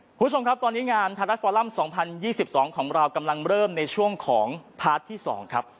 คุณผู้ชมครับตอนนี้งานไทยรัฐฟอลัม๒๐๒๒ของเรากำลังเริ่มในช่วงของพาร์ทที่๒ครับ